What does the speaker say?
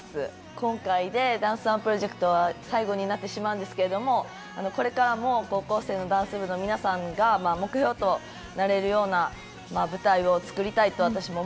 今回でダンスＯＮＥプロジェクトは最後になってしまうんですけれどもこれからも高校生のダンス部の皆さんが目標となれるような舞台をつくりたいと私も思っているので